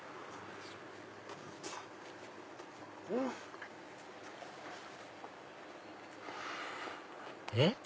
うん。えっ？